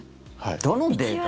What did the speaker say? どのデータ？